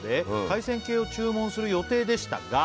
「海鮮系を注文する予定でしたが」